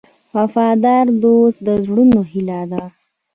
وفادار دوست د زړونو هیله ده.